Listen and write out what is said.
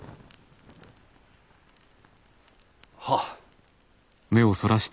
はっ。